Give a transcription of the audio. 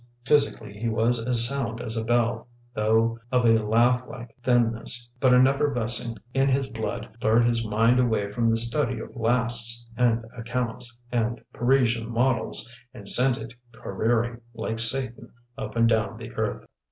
Physically he was as sound as a bell, though of a lath like thinness; but an effervescing in his blood lured his mind away from the study of lasts and accounts and Parisian models and sent it careering, like Satan, up and down the earth.